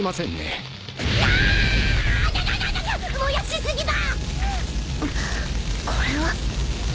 んこれは？